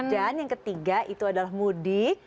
dan yang ketiga itu adalah mudik